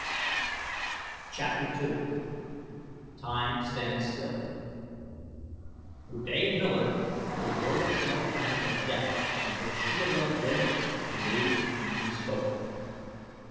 _" CHAPTER II Time Stands Still For Dave Miller, the world was now a planet of death on which he alone lived and moved and spoke.